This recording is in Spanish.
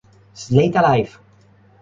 Slade Alive!